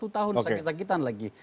delapan puluh satu tahun sakit sakitan lagi